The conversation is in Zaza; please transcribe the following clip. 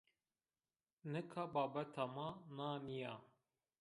Nika babeta ma na nîya.